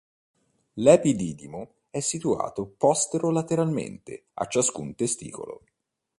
L'epididimo è situato postero-lateralmente a ciascun testicolo.